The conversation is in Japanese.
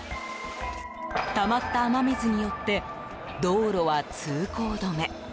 たまった雨水によって道路は通行止め。